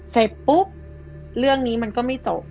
เสร็จปุ๊บเรื่องนี้มันก็ไม่จบ